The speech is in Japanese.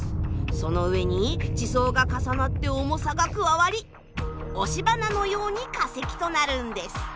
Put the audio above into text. その上に地層が重なって重さが加わり押し花のように化石となるんです。